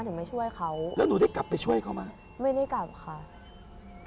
เท่านั้นทำไมแบบ